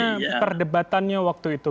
bagaimana perdebatannya waktu itu